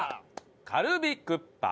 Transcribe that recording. カルビクッパ